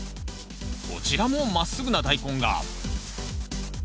こちらもまっすぐなダイコンが。